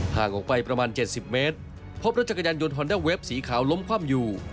ห่างออกไปประมาณ๗๐เมตรพบรถจักรยานยนต์ฮอนด้าเวฟสีขาวล้มคว่ำอยู่